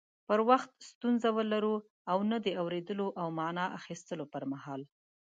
پر وخت ستونزه ولرو او نه د اوريدلو او معنی اخستلو پر مهال